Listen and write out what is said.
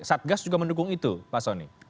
satgas juga mendukung itu pak soni